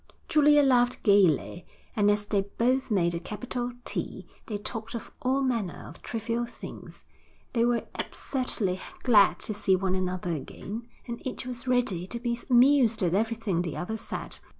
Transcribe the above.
Julia laughed gaily, and as they both made a capital tea, they talked of all manner of trivial things. They were absurdly glad to see one another again, and each was ready to be amused at everything the other said.